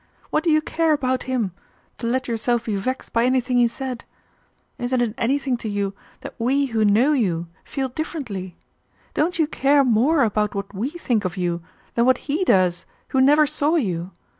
What do you care about him, to let yourself be vexed by anything he said? Isn't it anything to you, that we who know you feel differently? Don't you care more about what we think of you than what he does who never saw you?